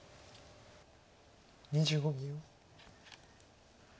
２５秒。